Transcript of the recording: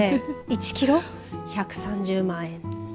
１キロ１３０万円。